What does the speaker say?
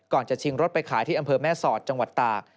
จะชิงรถไปขายที่อำเภอแม่สอดจังหวัดตาก